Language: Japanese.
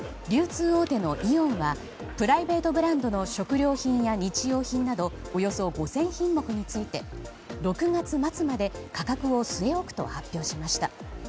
流通大手のイオンはプライベートブランドの食料品や日用品などおよそ５０００品目について６月末まで価格を据え置くと発表しました。